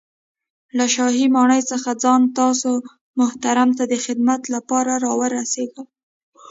له شاهي ماڼۍ څخه خاص تاسو محترم ته د خدمت له پاره را ورسېږم.